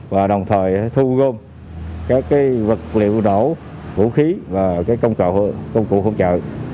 và đồng thời thu gom các vật liệu nổ vũ khí và công cụ hỗ trợ